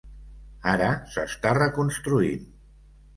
Ara s'està reconstruint.